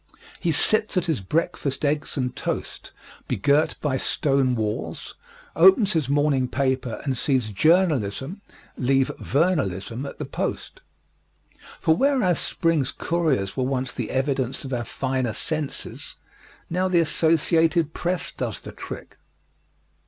He sits at his breakfast eggs and toast, begirt by stone walls, opens his morning paper and sees journalism leave vernalism at the post. For whereas Spring's couriers were once the evidence of our finer senses, now the Associated Press does the trick.